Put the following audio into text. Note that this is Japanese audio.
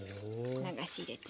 流し入れて。